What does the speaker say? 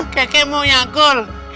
kakek mau cangkul